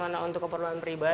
mana untuk keperluan pribadi